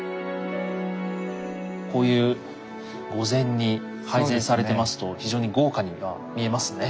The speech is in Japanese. こういう御膳に配膳されてますと非常に豪華には見えますね。